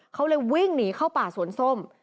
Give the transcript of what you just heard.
เขาเลยวิ่งหนีเข้าป่าสวนส้ม